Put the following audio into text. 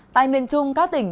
tại miền trung các tỉnh